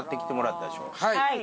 はい。